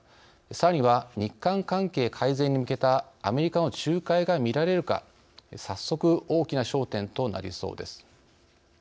さらには、日韓関係改善に向けたアメリカの仲介が見られるか早速、大きな焦点となりそうです。